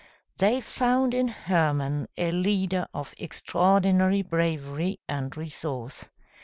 ] They found in Hermann a leader of extraordinary bravery and resource.